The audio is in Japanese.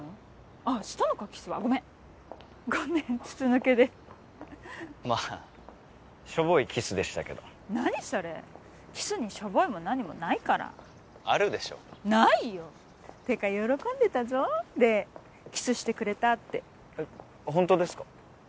あっシたのかキスはごめんごめん筒抜けでまあしょぼいキスでしたけど何それキスにしょぼいも何もないからあるでしょないよってか喜んでたぞ黎キスしてくれたってえっホントですか？